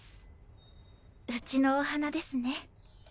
うちのお花ですね。